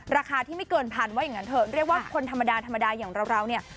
ราคาที่ไม่เกินพันว่าอย่างนั้นเถอะเรียกว่าคนธรรมดาธรรมดาอย่างเราเนี่ย